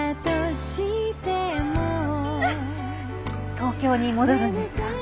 東京に戻るんですか？